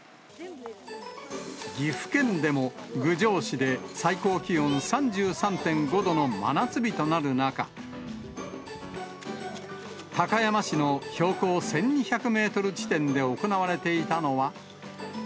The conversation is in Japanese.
岐阜県でも、郡上市で最高気温３３．５度の真夏日となる中、高山市の標高１２００メートル地点で行われていたのは。